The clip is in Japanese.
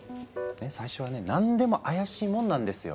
最初はね何でも怪しいもんなんですよ。